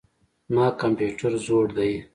زما کمپيوټر زوړ دئ.